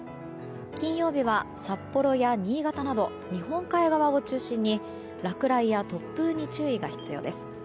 金曜日は札幌や新潟など日本海側を中心に落雷や突風に注意が必要です。